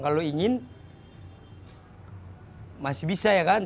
kalau ingin masih bisa ya kan